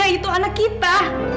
kalau aida itu anak kita